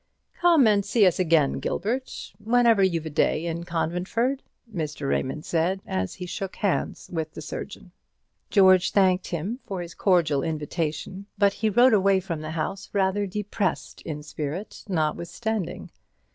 "Come and see us again, Gilbert, whenever you've a day in Conventford," Mr. Raymond said, as he shook hands with the surgeon. George thanked him for his cordial invitation, but he rode away from the house rather depressed in spirit, notwithstanding.